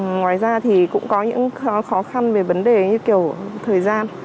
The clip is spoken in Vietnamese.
ngoài ra thì cũng có những khó khăn về vấn đề như kiểu thời gian